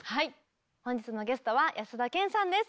本日のゲストは安田顕さんです。